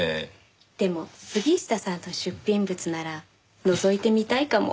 でも杉下さんの出品物ならのぞいてみたいかも。